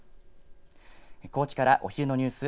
高知からお昼のニュース